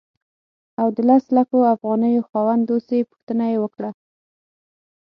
او د لسو لکو افغانیو خاوند اوسې پوښتنه یې وکړه.